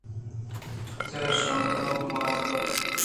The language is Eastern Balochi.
زہرشانت ءُ مان کُت